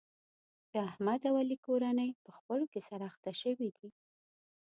د احمد او علي کورنۍ په خپلو کې سره اخته شوې دي.